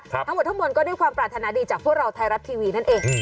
ทั้งหมดทั้งหมดก็ด้วยความปรารถนาดีจากพวกเราไทยรัฐทีวีนั่นเอง